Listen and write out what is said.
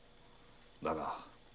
だが。